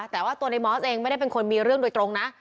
แต่ว่าตัวในมอสเองไม่ได้เป็นคนมีเรื่องโดยตรงนะ